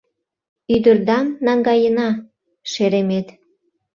Ӱдырдам наҥгаена, шеремет!